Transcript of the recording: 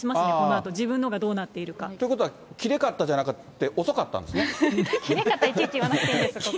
このあと、自分のがどうなっているか。ということは、きれかったじゃなくて、遅かったんですね。